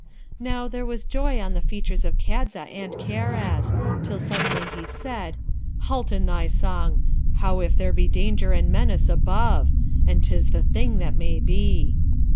Now, there was joy on the features of Kadza and Karaz, till suddenly he said, 'Halt in thy song! How if there be danger and menace above? and 'tis the thing that may be.'